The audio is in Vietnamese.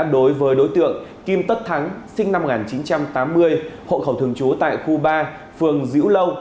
đối với đối tượng kim tất thắng sinh năm một nghìn chín trăm tám mươi hộ khẩu thường trú tại khu ba phường diễu lâu